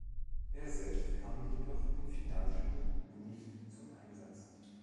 Er selbst kam jedoch im Finalspiel nicht zum Einsatz.